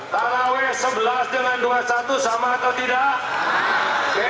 taraweh sebelas dengan dua puluh satu sama atau tidak